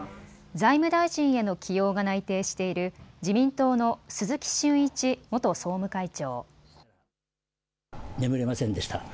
財務大臣への起用が内定している自民党の鈴木俊一元総務会長。